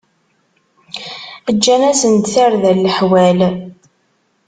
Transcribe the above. Ǧǧan-asen-d tarda n leḥwal.